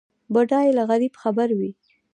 بډای له غریب خبر وي.